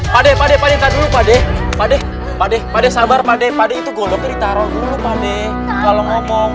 pade pade pade pade pade pade pade pade sabar pade pade itu goloknya ditaruh dulu pade kalau ngomong